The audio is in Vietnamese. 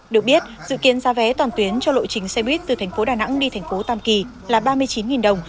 được biết dự kiến ra vé toàn tuyến cho lộ trình xe buýt từ tp đà nẵng đi tp tam kỳ là ba mươi chín đồng